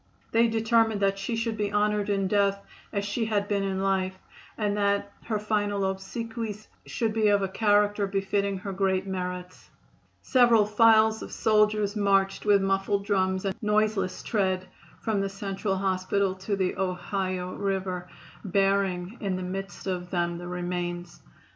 They determined that she should be honored in death as she had been in life, and that her final obsequies should be of a character befitting her great merits. Several files of soldiers marched with muffled drums and noiseless tread from the Central Hospital to the Ohio River, bearing in the midst of them the remains.